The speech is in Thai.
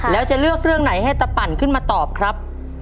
แล้วจะเลือกเรื่องไหนให้ตะปั่นขึ้นมาตอบครับ